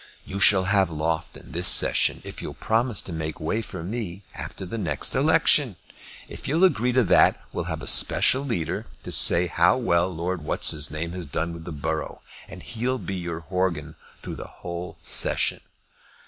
You shall have Loughton this session if you'll promise to make way for me after the next election. If you'll agree to that, we'll have a special leader to say how well Lord What's his name has done with the borough; and we'll be your horgan through the whole session."